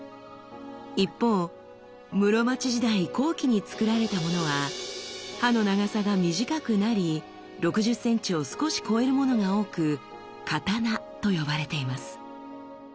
一方室町時代後期につくられたものは刃の長さが短くなり６０センチを少し超えるものが多く「刀」と呼ばれています。